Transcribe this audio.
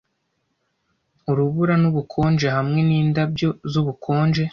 urubura nubukonje hamwe nindabyo zubukonje